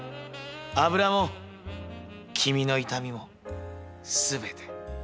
油も君の痛みも全て。